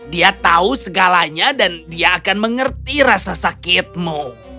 dia tahu segalanya dan dia akan mengerti rasa sakitmu